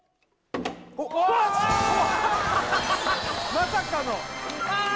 まさかの！